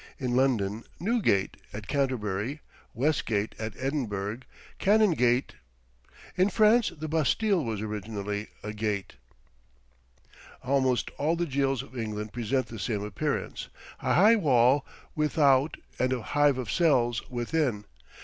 In London, Newgate; at Canterbury, Westgate; at Edinburgh, Canongate. In France the Bastile was originally a gate. Almost all the jails of England present the same appearance a high wall without and a hive of cells within.